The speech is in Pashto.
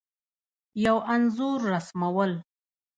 یو انځور رسمول